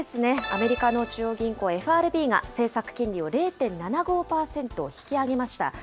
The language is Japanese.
アメリカの中央銀行・ＦＲＢが、政策金利を０．７５％引き上げました。